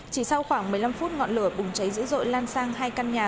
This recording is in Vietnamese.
chỉ sau khoảng một mươi năm phút ngọn lửa bùng cháy dữ dội lan sang hai căn nhà